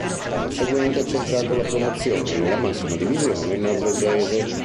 L'anno seguente, ha centrato la promozione nella massima divisione norvegese.